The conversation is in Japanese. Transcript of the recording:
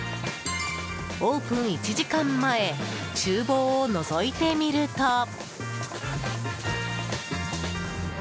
オープン１時間前厨房をのぞいてみると。